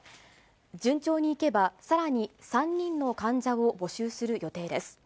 順調にいけば、さらに３人の患者を募集する予定です。